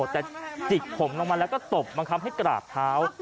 แต่จิกผมลงมาแล้วก็ตบบังคับให้กราบเท้า